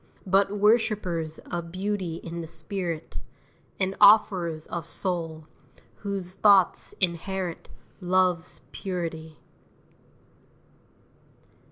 But worshippers of beauty in the spirit, And offerers of soul, whose thoughts inherit Love's purity.